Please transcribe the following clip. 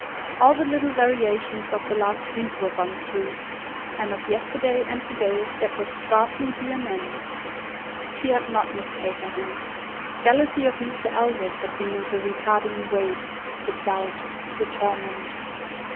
All the little variations of the last week were gone through; and of yesterday and today there could scarcely be an end. She had not mistaken him. Jealousy of Mr Elliot had been the retarding weight, the doubt, the torment.